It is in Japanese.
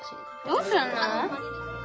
どうすんの。